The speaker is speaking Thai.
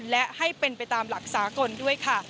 และให้เป็นไปตามหลักสากลด้วยค่ะ